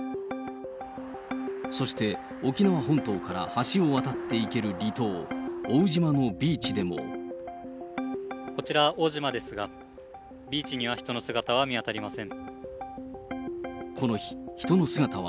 そして沖縄本島から橋を渡って行ける離島、こちら、奥武島ですがビーチには人の姿は見当たりません。